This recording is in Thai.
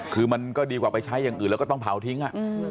คือมันก็ดีกว่าไปใช้อย่างอื่นแล้วก็ต้องเผาทิ้ง